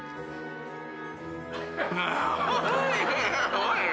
おい。